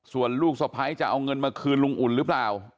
ส่วนลูกสะพ้ายจะเอาเงินมาคืนลุงอุ่นหรือเปล่า